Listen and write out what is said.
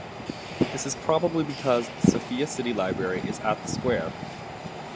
This is probably because the Sofia City Library is at the square.